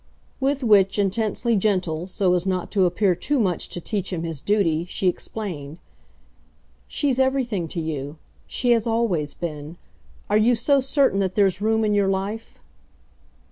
With which, intensely gentle, so as not to appear too much to teach him his duty, she explained. "She's everything to you she has always been. Are you so certain that there's room in your life